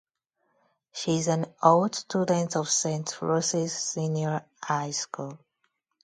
She is an old student of St Roses Senior High School.